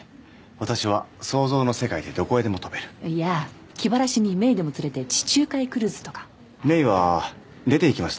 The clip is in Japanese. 私は想像の世界でどこへでも飛べるいやー気晴らしに芽衣でも連れて地中海クルーズとか芽衣は出ていきました